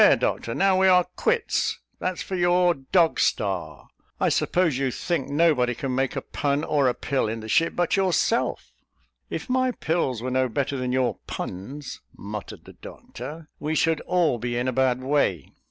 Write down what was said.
"There, Doctor; now we are quits: that's for your Dog Star. I suppose you think nobody can make a pun or a pill, in the ship, but yourself?" "If my pills were no better than your puns," muttered the doctor, "we should all be in a bad way."